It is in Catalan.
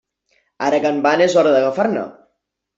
Ara que en van és hora d'agafar-ne.